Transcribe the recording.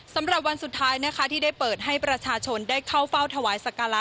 สำหรับวันสุดท้ายนะครับที่ได้เปิดให้ประชาชนได้เข้าเฝ้าถวายศักระ